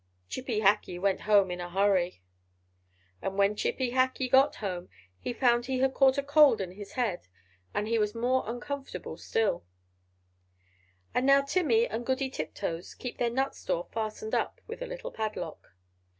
Chippy Hackee went home in a hurry! And when Chippy Hackee got home, he found he had caught a cold in his head; and he was more uncomfortable still. And now Timmy and Goody Tiptoes keep their nut store fastened up with a little padlock.